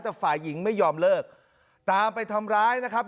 แต่ฝ่ายหญิงไม่ยอมเลิกตามไปทำร้ายนะครับ